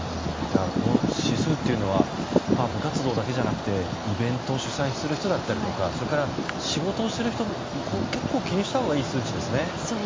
この指数というのは部活動だけじゃなくてイベント主催する人だったりそれから仕事をしている人も結構気にしたほうがいい数値ですね。